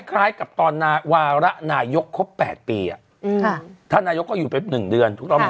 คล้ายกับตอนวาระนายกครบ๘ปีท่านนายกก็อยู่ไป๑เดือนถูกต้องไหม